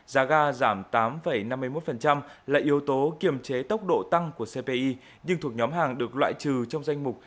giá ga giảm tám năm mươi một là yếu tố kiềm chế tốc độ tăng của cpi nhưng thuộc nhóm hàng được loại trừ trong danh mục